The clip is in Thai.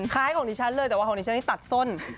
คล้ายของดิฉันเลยแต่ว่าของดิฉันนี่ตัดส้น